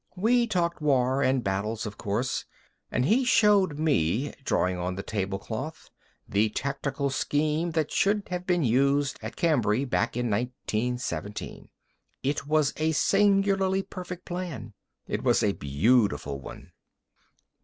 "We talked war and battles, of course. And he showed me, drawing on the tablecloth, the tactical scheme that should have been used at Cambrai, back in 1917. It was a singularly perfect plan. It was a beautiful one."